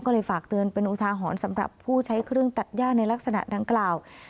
ก็เลยฝากเตือนเป็นอุทาหรณ์สำหรับผู้ใช้เครื่องตัดย่าในลักษณะดังกล่าว